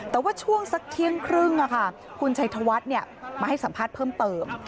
แต่ว่าช่วงสักเที่ยงครึ่งคุณชัยธวัฒน์มาให้สัมภาษณ์เพิ่มเติม